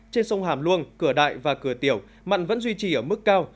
trên sông hàm luông cửa đại và cửa tiểu mặn vẫn duy trì ở mức cao